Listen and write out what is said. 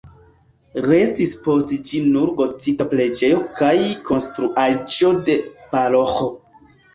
Restis post ĝi nur gotika preĝejo kaj konstruaĵo de paroĥo.